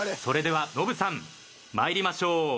それではノブさんまいりましょう。